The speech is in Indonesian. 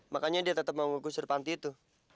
makanya dia tetap mau ngegusur panti itu